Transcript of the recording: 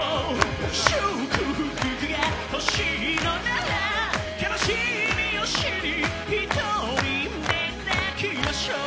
祝福が欲しいのなら悲しみを知り独りで泣きましょう